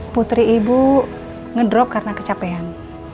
putri ibu ngedrop karena kecapean